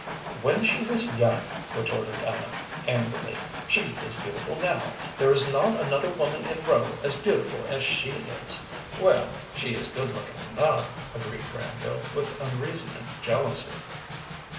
"When she was young," retorted Ellen, angrily. "She is beautiful now. There is not another woman in Rowe as beautiful as she is." "Well, she is good looking enough," agreed Granville, with unreasoning jealousy.